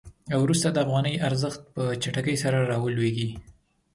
وروسته د افغانۍ ارزښت په چټکۍ سره رالویږي.